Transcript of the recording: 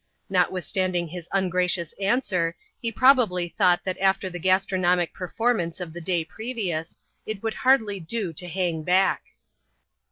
Notwithstanding his ungracious answer, he probably thought that after the gas tronomic performance of the day previous, it would hardly do to hang back.